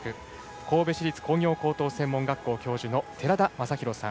神戸市立工業高等専門学校の教授寺田雅裕さん。